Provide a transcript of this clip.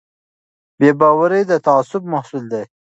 بې باوري د تعصب محصول دی